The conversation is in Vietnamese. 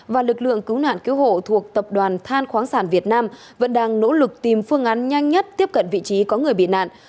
và lực lượng cứu nạn cứu hộ thuộc tập đoàn than khoáng sản việt nam vẫn đang nỗ lực tìm phương án nhanh nhất tiếp cận vị trí có người bị nạn